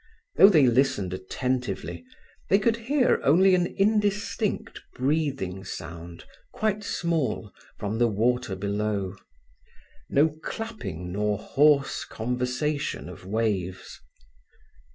Though they listened attentively, they could hear only an indistinct breathing sound, quite small, from the water below: no clapping nor hoarse conversation of waves.